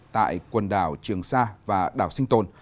tại quần đảo trường sa và đảo sinh tồn